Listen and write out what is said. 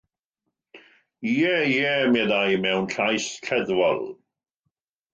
"Ie, ie," meddai, mewn llais lleddfol.